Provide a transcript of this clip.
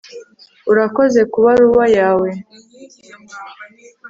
urakoze kubaruwa yawe